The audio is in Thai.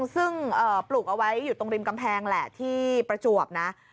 ซึ่งปลูกเอาไว้อยู่ตรงริมกำแพงแหละที่ประจวบนะ